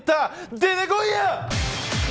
出てこいや！